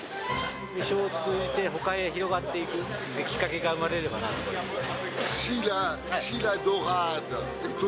ミショーを通じて、ほかへ広がっていくきっかけが生まれればなと思いますね。